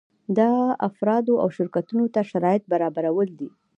دا افرادو او شرکتونو ته شرایط برابرول دي.